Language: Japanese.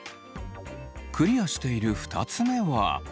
クリアしている２つ目は。